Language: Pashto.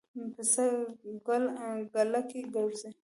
پسه ګله کې ګرځي.